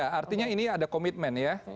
ya artinya ini ada komitmen ya